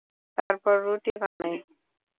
তারপর রুটি বানাই।